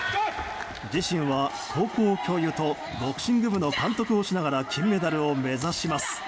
自身は高校教諭とボクシング部の監督をしながら金メダルを目指します。